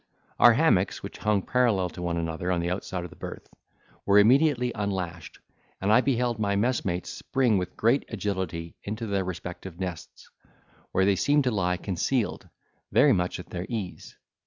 Our hammocks, which hung parallel to one another, on the outside of the berth, were immediately unlashed, and I beheld my messmates spring with great agility into their respective nests, where they seemed to lie concealed, very much at their ease.